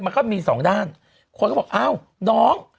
มันก็มีสองด้านคนก็บอกอ้าวน้อง